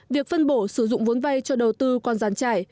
việc phân bổ sử dụng vốn vay cho đầu tư còn giàn trải